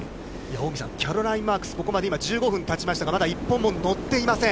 近江さん、キャロライン・マークス、ここまで今、１５分たちましたが、まだ一本も乗っていません。